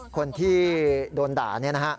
คนที่โดนด่านี่นะฮะ